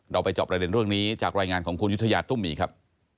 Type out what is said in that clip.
ไปจอบประเด็นเรื่องนี้จากรายงานของคุณยุธยาตุ้มมีครับ